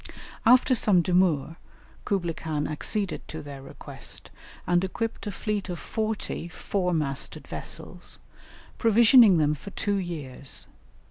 After some demur Kublaï Khan acceded to their request, and equipped a fleet of forty four masted vessels, provisioning them for two years.